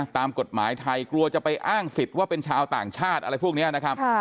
ตามกฎหมายไทยกลัวจะไปอ้างสิทธิ์ว่าเป็นชาวต่างชาติอะไรพวกนี้นะครับ